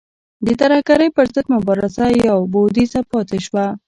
د ترهګرۍ پر ضد مبارزه یو بعدیزه پاتې شوه.